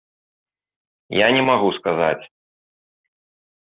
Я не магу сказаць.